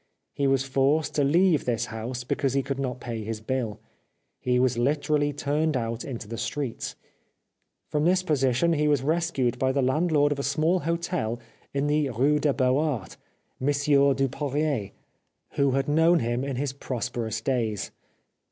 He was forced to leave this house because he could not pay his bill. He was literally turned out into the streets. From this position he was rescued by the landlord of a small hotel in the Rue des Beaux Arts, Monsieur Dupoirier, who 2 D 417 The Life of Oscar Wilde had known him in his prosperous days.